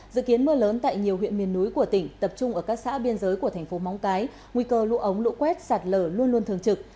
dự kiến mưa lớn tại nhiều huyện miền núi của tỉnh tập trung ở các xã biên giới của thành phố móng cái nguy cơ lũ ống lũ quét sạt lở luôn luôn thường trực